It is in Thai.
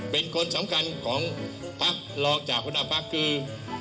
เป็นคนสำคัญของภักดิ์รองจากคุณภักดิ์คือ